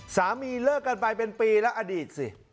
เลิกกันไปเป็นปีแล้วอดีตสิ